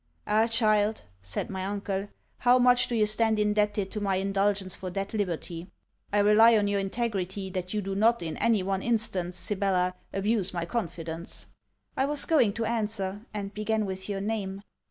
'Ah! child!' said my uncle, 'how much do you stand indebted to my indulgence for that liberty? I rely on your integrity that you do not in any one instance, Sibella, abuse my confidence.' I was going to answer, and began with your name.